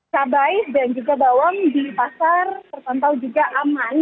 cabai dan juga bawang di pasar terpantau juga aman